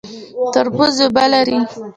تربوز اوبه لري